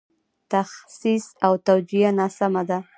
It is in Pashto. تخصیص او توجیه ناسمه ده.